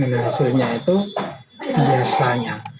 nah hasilnya itu biasanya